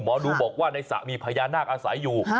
หมอดูบอกว่าในสระมีพญานาคอาศัยอยู่